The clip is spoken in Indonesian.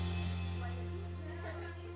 anitta mae arief tidiawan balikpapan kalimantan timur